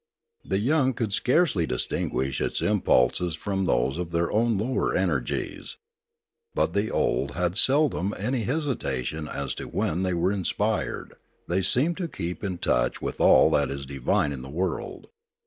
The young could scarcely distinguish its impulses from those of their own lower energies. But the old had seldom any hesitation as to when they were inspired; they seemed to keep in touch with all that is divine in the world.